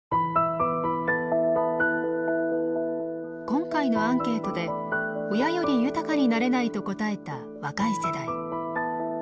今回のアンケートで親より豊かになれないと答えた若い世代。